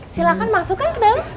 silahkan masukkan kedeng